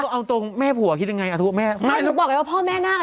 เอาตรงแม่ผัวคิดอย่างไรอัดทูปแม่ผัวอยู่ไหน